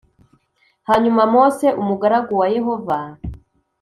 Hanyuma Mose umugaragu wa Yehova